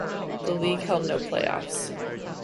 The league held no playoffs.